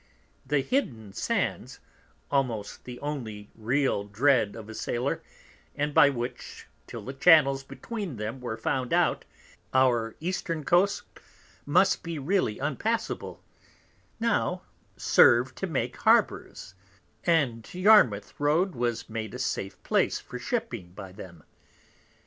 The Hidden Sands, almost the only real Dread of a Sailor, and by which till the Channels between them were found out, our Eastern Coast must be really unpassable, now serve to make Harbours: and Yarmouth Road was made a safe Place for Shipping by them.